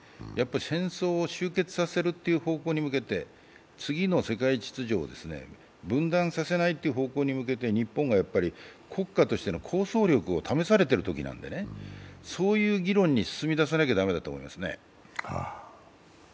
戦争を終結させるという方向に向けて、次の世界秩序を分断させないという方向に向けて、日本が国家としての構想力を試されている時なのでそういう議論に進みださなければいけないと思います。